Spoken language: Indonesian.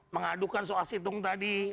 mengadukan soal situng tadi